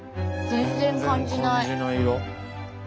全然感じないよ。